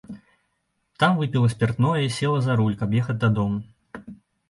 Там выпіла спіртное і села за руль, каб ехаць дадому.